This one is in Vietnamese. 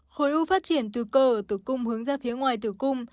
khối u phát triển từ cơ tử cung hướng ra phía ngoài tử cung